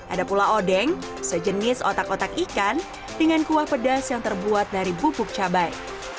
ada pula odeng sejenis otak otak ikan dengan kuah pedas yang terbuat dari bubuk cabai